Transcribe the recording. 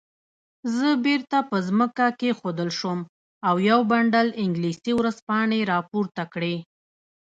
زه بیرته په ځمکه کېښودل شوم او یو بنډل انګلیسي ورځپاڼې راپورته کړې.